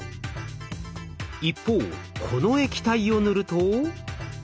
一方この液体を塗ると。